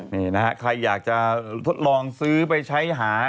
นี่นะฮะใครอยากจะทดลองซื้อไปใช้หา